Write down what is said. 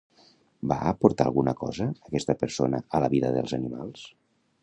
Va aportar alguna cosa aquesta persona a la vida dels animals?